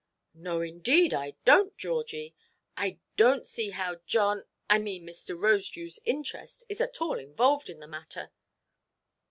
"No, indeed, I donʼt, Georgie. I donʼt see how John—I mean Mr. Rosedewʼs interest is at all involved in the matter."